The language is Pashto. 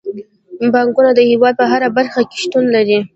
بانکونه د هیواد په هره برخه کې شتون لري.